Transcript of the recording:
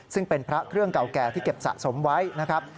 ซึ่งเป็นพระเครื่องเก่าแก่ที่เก็บสะสมไว้นะครับ